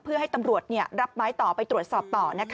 เพื่อให้ตำรวจรับไม้ต่อไปตรวจสอบต่อ